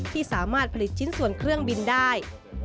ที่สามารถผลิตชิ้นส่วนเครื่องบินได้